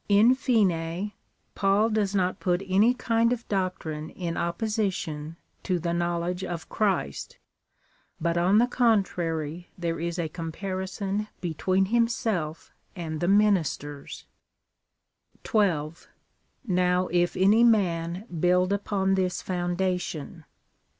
In fine, Paul does not put any kind of doctrine in opposi tion to the knowledge of Christ, but on the contrary there is a comparison between himself and the ministers. 1 2. Now if any man build upon this foundation.